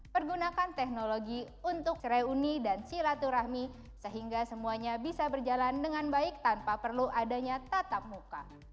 pergunakan teknologi untuk reuni dan silaturahmi sehingga semuanya bisa berjalan dengan baik tanpa perlu adanya tatap muka